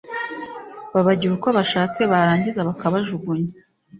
babagira uko bashatse barangiza bakabajugunya